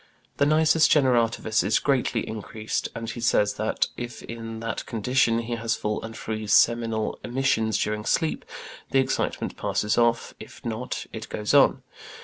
The nisus generativus is greatly increased, and he says that, if in that condition, he has full and free seminal emissions during sleep, the excitement passes off; if not, it goes on.